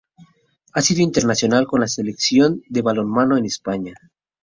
Ha sido internacional con la selección de balonmano de España.